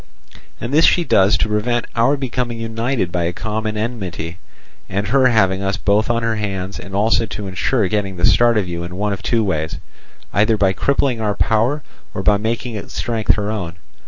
And this she does to prevent our becoming united by a common enmity, and her having us both on her hands, and also to ensure getting the start of you in one of two ways, either by crippling our power or by making its strength her own.